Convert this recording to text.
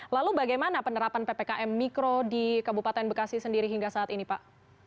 lalu bagaimana penerapan ppkm mikro di kabupaten bekasi sendiri hingga saat ini pak